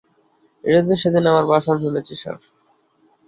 রেডিওতে সেদিন আমার ভাষণ শুনেছি, স্যার।